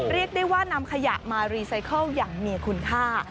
เรียกได้ว่านำขยะมารีไซเคิลอย่างมีคุณค่า